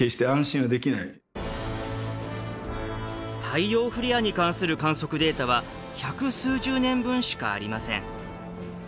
太陽フレアに関する観測データは百数十年分しかありません。